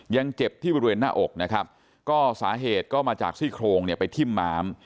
ยังเจ็บที่บริเวณหน้าอกนะครับก็สาเหตุก็มาจากซี่โครงเนี่ยไปทิ้มม้าม